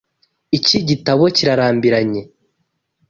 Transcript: Iki gitabo kirarambiranye.